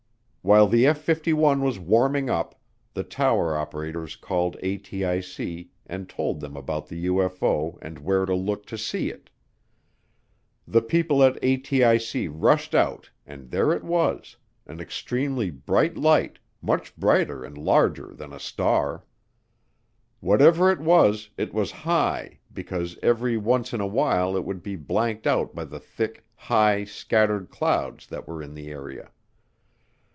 While the F 51 was warming up, the tower operators called ATIC and told them about the UFO and where to look to see it. The people at ATIC rushed out and there it was an extremely bright light, much brighter and larger than a star. Whatever it was, it was high because every once in a while it would be blanked out by the thick, high, scattered clouds that were in the area.